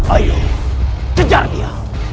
ayo kejar dia